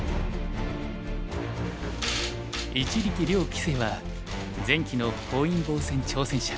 一力遼棋聖は前期の本因坊戦挑戦者。